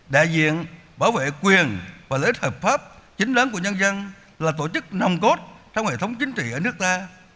đại diện bảo vệ quyền và lợi ích hợp pháp chính đáng của nhân dân là tổ chức nồng cốt trong hệ thống chính trị ở nước ta